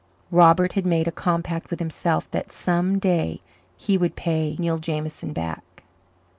Robert had made a compact with himself that some day he would pay Neil Jameson back.